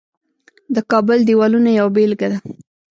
د کابل دیوالونه یوه بیلګه ده